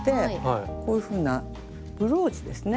こういうふうなブローチですね。